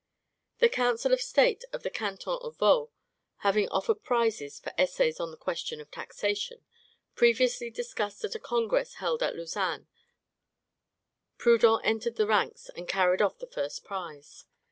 The Council of State of the canton of Vaud having offered prizes for essays on the question of taxation, previously discussed at a congress held at Lausanne, Proudhon entered the ranks and carried off the first prize.